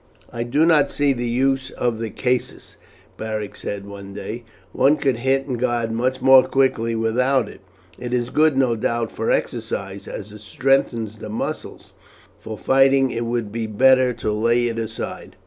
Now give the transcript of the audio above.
"I do not see the use of the caestus," Beric said one day. "One could hit and guard much more quickly without it. It is good, no doubt, for exercise, as it strengthens the muscles, but surely for fighting it would be better to lay it aside.